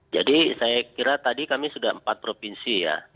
jadi saya kira tadi kami sudah empat provinsi ya